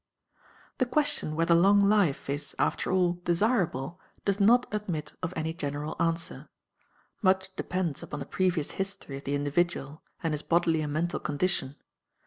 The question whether long life is, after all, desirable does not admit of any general answer. Much depends upon the previous history of the individual, and his bodily and mental condition.